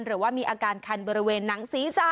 หรือว่ามีอาการคันบริเวณหนังศีรษะ